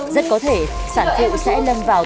rất có thể sản phụ sẽ lâm vào